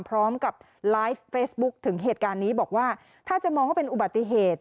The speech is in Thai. พร้อมกับไลฟ์เฟซบุ๊คถึงเหตุการณ์นี้บอกว่าถ้าจะมองว่าเป็นอุบัติเหตุ